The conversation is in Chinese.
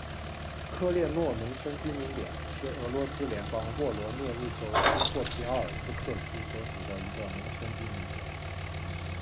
科列诺农村居民点是俄罗斯联邦沃罗涅日州新霍皮奥尔斯克区所属的一个农村居民点。